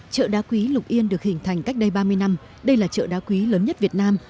chợ đá quý lục yên được hình thành cách đây ba mươi năm đây là chợ đá quý lớn nhất việt nam